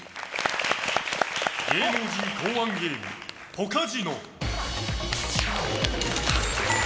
芸能人考案ゲームポカジノ！